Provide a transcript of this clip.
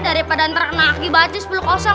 daripada terkena aki batis belum kosong